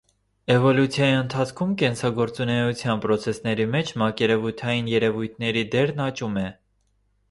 Էվոլյուցիայի ընթացքում կենսագործունեության պրոցեսների մեջ մակերևութային երևույթների դերն աճում է։